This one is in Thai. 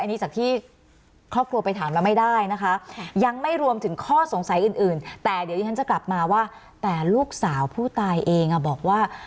อันนี้จากที่ครอบครัวไปถามแล้วไม่ได้นะคะ